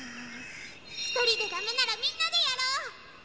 ひとりでダメならみんなでやろう！